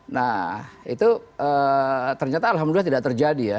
nah itu ternyata alhamdulillah tidak terjadi ya